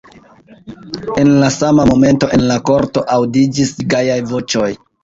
En la sama momento en la korto aŭdiĝis gajaj voĉoj.